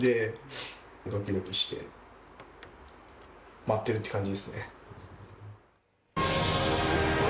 ドキドキして、待っているって感じですね。